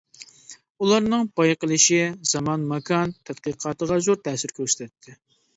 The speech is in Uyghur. ئۇلارنىڭ بايقىلىشى زامان-ماكان تەتقىقاتىغا زور تەسىر كۆرسەتتى.